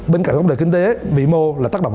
bên cạnh góc độ kinh tế vĩ mô là tác động